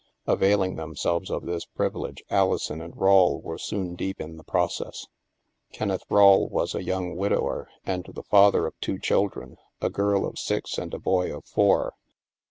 Availing themselves of this privilege, Alison and Rawle were soon deep in the process. Kenneth Rawle was a yoimg widower and the father of two children, a girl of six and a boy of four.